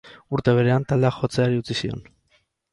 Urte berean, taldeak jotzeari utzi zion.